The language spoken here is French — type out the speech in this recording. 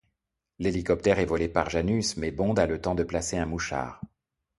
L'hélicoptère est volé par Janus mais Bond a le temps de placer un mouchard.